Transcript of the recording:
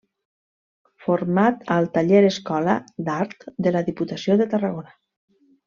Format al Taller-Escola d'Art de la Diputació de Tarragona.